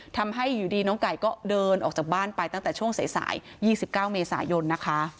ทำให้อยู่ดีน้องไก่ก็เดินออกจากบ้านไปตั้งแต่ช่วงสาย๒๙เมษายนนะคะ